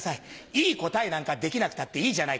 いい答えなんかできなくたっていいじゃないか。